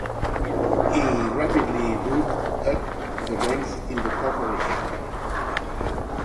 He rapidly moved up the ranks in the corporation.